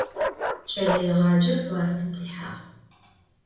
Ç'eleêğacer klassım khihağ.